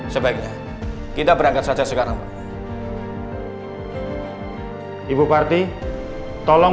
demi proses semua penyelidikan ini